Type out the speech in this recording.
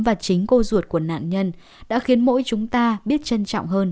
và chính cô ruột của nạn nhân đã khiến mỗi chúng ta biết trân trọng hơn